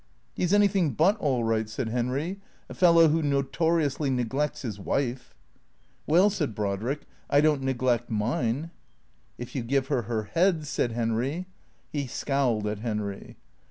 " He 's anything but all right," said Henry. " A fellow who notoriously neglects his wife." " Well," said Brodrick, " I don't neglect mine." " If you give her her head," said Henry. He scowled at Henry.